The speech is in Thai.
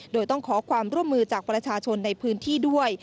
โดยต้องขอความร่วมมือจากประชาชนในพื้นที่ด้วย